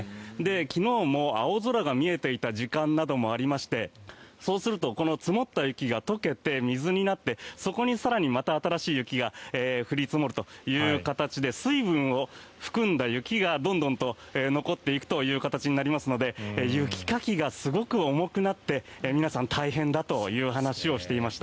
昨日も青空が見えていた時間などもありましてそうすると積もった雪が解けて水になってそこに更にまた新しい雪が降り積もるという形で水分を含んだ雪がどんどんと残っていくという形になりますので雪かきがすごく重くなって皆さん、大変だという話をしていました。